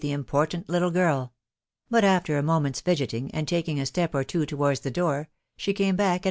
the in» portant little girl ; but, after a moment's ndgetingy and taking: a step ortwo towards the door, she came back and.